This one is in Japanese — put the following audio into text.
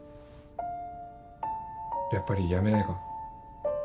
やっぱりやめないか？